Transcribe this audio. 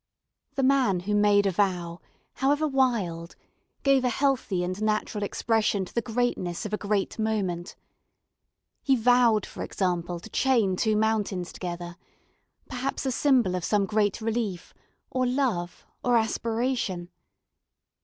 The man who made a vow, however wild, gave a healthy and natural expression to the greatness of a great moment. He vowed, for example, to chain two mountains together, perhaps a symbol of some great relief, or love, or aspiration.